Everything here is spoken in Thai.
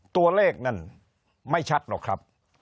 ตัวเลขนั้นไม่ชัดหรอกครับ